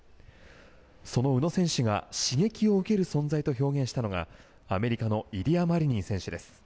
その宇野選手が刺激を受ける存在と表現したのがアメリカのイリア・マリニン選手です。